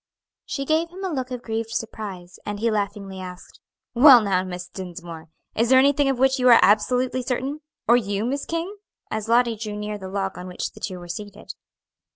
She gave him a look of grieved surprise, and he laughingly asked, "Well, now, Miss Dinsmore, is there anything of which you really are absolutely certain? or you, Miss King?" as Lottie drew near the log on which the two were seated.